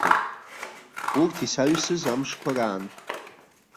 Урҭ исаҩсыз амшқәа раан.